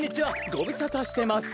ごぶさたしてます。